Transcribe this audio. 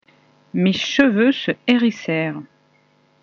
Mes cheveux se hérissèrent.